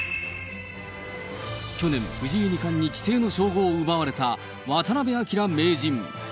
去年、藤井二冠に棋聖の称号を奪われた、渡辺明名人。